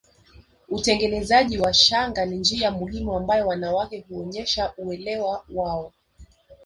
Utengenezaji wa shanga ni njia muhimu ambayo wanawake huonyesha uelewa wao